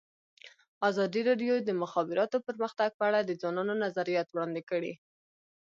ازادي راډیو د د مخابراتو پرمختګ په اړه د ځوانانو نظریات وړاندې کړي.